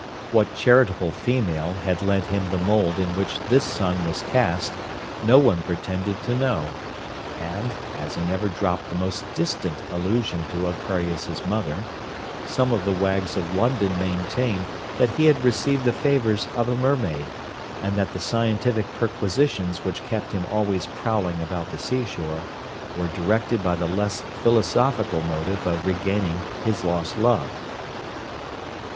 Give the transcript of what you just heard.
What charitable female had lent him the mould in which this son was cast, no one pretended to know; and, as he never dropped the most distant allusion to Aquarius's mother, some of the wags of London maintained that he had received the favours of a mermaid, and that the scientific perquisitions which kept him always prowling about the sea shore, were directed by the less philosophical motive of regaining his lost love.